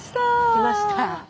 来ました。